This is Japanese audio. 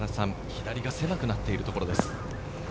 左が狭くなっているところです。